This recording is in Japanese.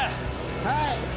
はい。